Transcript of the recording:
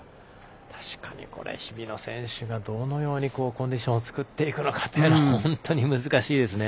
確かに、これ日比野選手がどのようにコンディションを作っていくのかというのは本当に難しいですね。